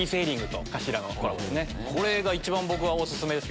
これが一番僕がお薦めです。